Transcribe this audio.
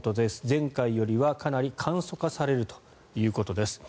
前回よりはかなり簡素化されるということです。